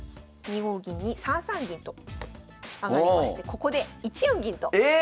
２五銀に３三銀と上がりましてここで１四銀とえ！